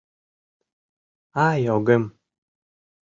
Ай, огым.